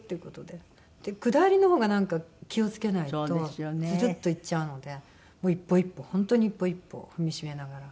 で下りの方がなんか気を付けないとズルッといっちゃうのでもう一歩一歩本当に一歩一歩踏みしめながら。